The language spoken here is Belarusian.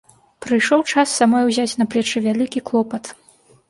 Прыйшоў час самой узяць на плечы вялікі клопат.